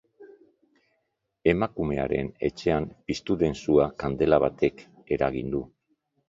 Emakumearen etxean piztu den sua kandela batek eragin du.